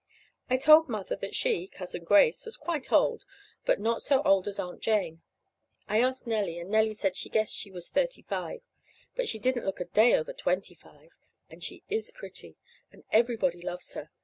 I told Mother that she (Cousin Grace) was quite old, but not so old as Aunt Jane. (I asked Nellie, and Nellie said she guessed she was thirty five, but she didn't look a day over twenty five.) And she is pretty, and everybody loves her.